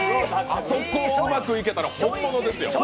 あそこがうまくいけたら本物ですよ。